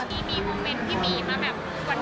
มีมีโมเมนต์พี่หมีมาแบบหวาน